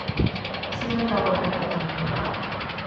sina tawa weka tan mi.